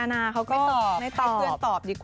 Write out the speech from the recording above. นาเขาก็ไม่ตอบ